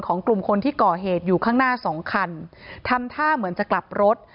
กลุ่มคนที่ก่อเหตุอยู่ข้างหน้าสองคันทำท่าเหมือนจะกลับรถ